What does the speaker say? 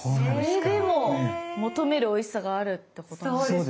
それでも求めるおいしさがあるってことなんですかね。